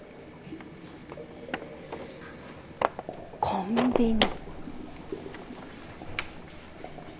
コンビニ。